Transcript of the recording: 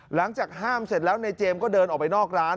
หลังจากห้ามเสร็จแล้วในเจมส์ก็เดินออกไปนอกร้าน